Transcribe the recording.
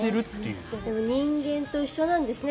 人間と一緒なんですね。